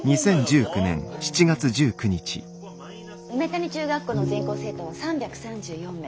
梅谷中学校の全校生徒は３３４名。